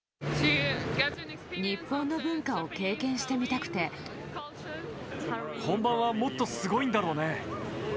日本の文化を経験してみたく本番はもっとすごいんだろう